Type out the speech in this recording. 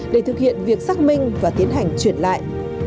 để thực hiện việc xác minh và tiến hành chuyển lại